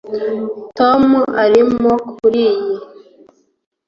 Tom arimo kuriyi